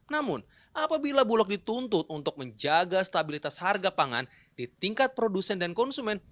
namun apabila bulog dituntut untuk menjaga stabilitas harga pangan di tingkat produsen dan konsumen